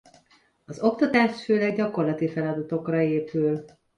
Az oktatás főleg gyakorlati feladatokra épül.